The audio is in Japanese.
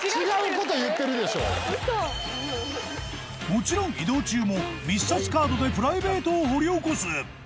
もちろん移動中も密撮カードでプライベートを掘り起こす